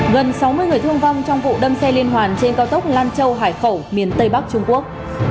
gần sáu mươi người thương vong trong vụ đâm xe liên hoàn trên cao tốc lan châu hải khẩu miền tây bắc trung quốc